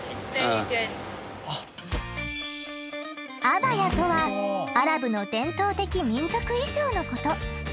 アバヤとはアラブの伝統的民族衣装のこと。